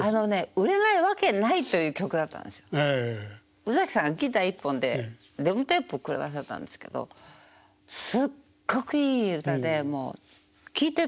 宇崎さんがギター１本でデモテープを下さったんですけどすっごくいい歌で聴いてると泣いちゃうんですよ。